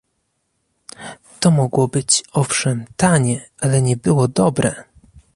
To mogło być, owszem, tanie, ale nie było dobre!